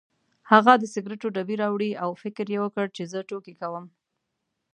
هغه د سګرټو ډبې راوړې او فکر یې وکړ چې زه ټوکې کوم.